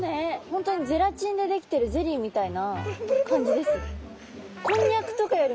本当にゼラチンで出来てるゼリーみたいな感じです。